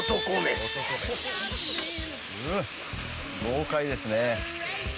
豪快ですね。